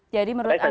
jadi menurut anda ini